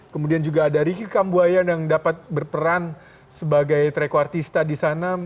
kemudian juga ada ricky kambuaya yang dapat berperan sebagai trekwartista di sana